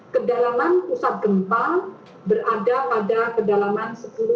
kedalaman pusat gempa berada pada kedalaman sepuluh